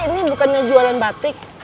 ini bukannya jualan batik